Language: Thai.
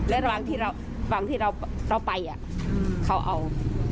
และระหว่างที่เราไปเขาเอา